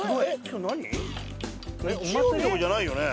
日曜日とかじゃないよね。